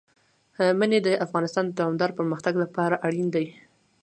منی د افغانستان د دوامداره پرمختګ لپاره اړین دي.